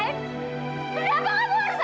kenapa kamu harus anak saya